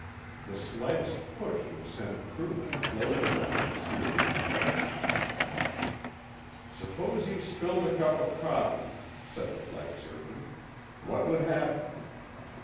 The slightest push could send crewmen floating around the sealed compartment. "Suppose you spilled a cup of coffee," said the flight surgeon. "What would happen?"